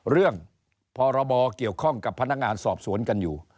พรบเกี่ยวข้องกับพนักงานสอบสวนกันอยู่